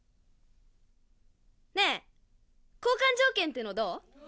ねぇ交換条件っていうのどう？